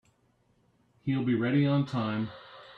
He'll be ready on time.